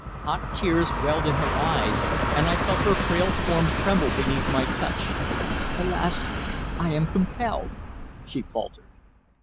Hot tears welled in her eyes, and I felt her frail form tremble beneath my touch. "Alas! I am compelled," she faltered.